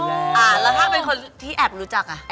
แล้วถ้าเป็นคนที่แอบรู้จักอ่ะ